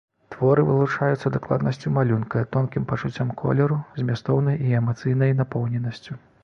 Творы вылучаюцца дакладнасцю малюнка, тонкім пачуццём колеру, змястоўнай і эмацыйнай напоўненасцю.